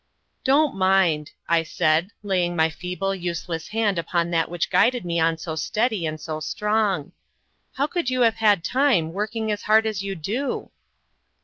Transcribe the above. "Don't mind," I said, laying my feeble, useless hand upon that which guided me on so steady and so strong; "how could you have had time, working as hard as you do?"